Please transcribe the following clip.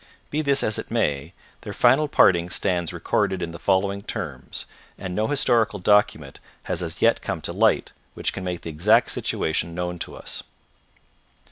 Be this as it may, their final parting stands recorded in the following terms, and no historical document has as yet come to light which can make the exact situation known to us.